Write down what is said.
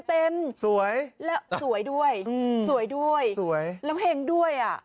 เต็มสวยและสวยด้วยสวยด้วยสวยแล้วเพลงด้วยอ่ะ